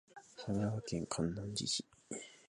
香川県観音寺市